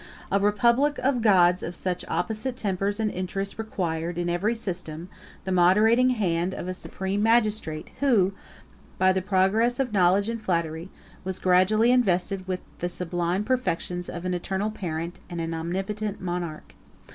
A republic of gods of such opposite tempers and interests required, in every system, the moderating hand of a supreme magistrate, who, by the progress of knowledge and flattery, was gradually invested with the sublime perfections of an Eternal Parent, and an Omnipotent Monarch.